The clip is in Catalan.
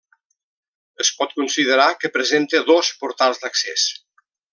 Es pot considerar que presenta dos portals d'accés.